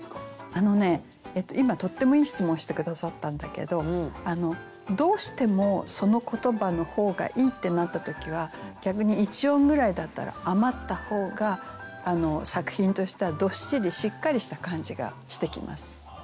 あのね今とってもいい質問して下さったんだけどどうしてもその言葉の方がいいってなった時は逆に一音ぐらいだったら余った方が作品としてはどっしりしっかりした感じがしてきます。